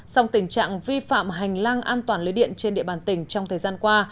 song tình trạng vi phạm hành lang an toàn lưới điện trên địa bàn tỉnh trong thời gian qua